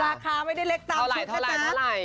ราคาไม่ได้เล็กต่อติดนะครับเท่าไหร่เท่าไหร่เท่าไหร่